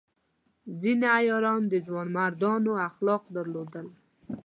ځینې عیاران د ځوانمردانو اخلاق درلودل.